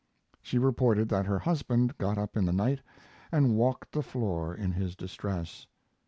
She reported that her husband got up in the night and walked the floor in his distress.